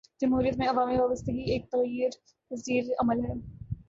جمہوریت میں عوامی وابستگی ایک تغیر پذیر عمل ہے۔